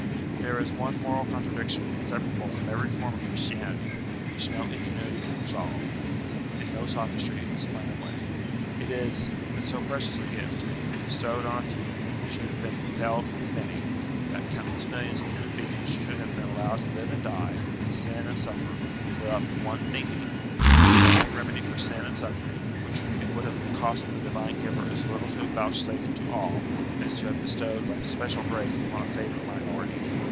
But there is one moral contradiction inseparable from every form of Christianity, which no ingenuity can resolve, and no sophistry explain away. It is, that so precious a gift, bestowed on a few, should have been withheld from the many: that countless millions of human beings should have been allowed to live and die, to sin and suffer, without the one thing needful, the divine remedy for sin and suffering, which it would have cost the Divine Giver as little to have vouchsafed to all, as to have bestowed by special grace upon a favoured minority.